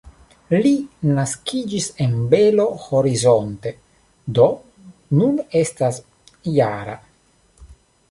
Li naskiĝis en Belo Horizonte, do nun estas -jara.